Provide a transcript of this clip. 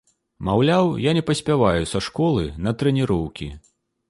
Маўляў, я не паспяваю са школы на трэніроўкі.